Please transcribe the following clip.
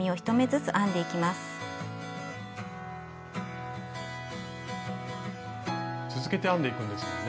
続けて編んでいくんですよね。